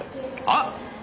あっ！